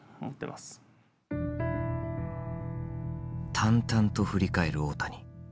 淡々と振り返る大谷。